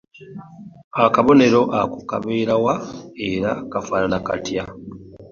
Akabonero ako kabeera wa, era kafaanana katya?